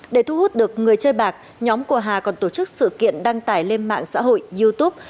để thu hút được người chơi bạc nhóm của hà còn tổ chức sự kiện đăng tải lên mạng xã hội youtube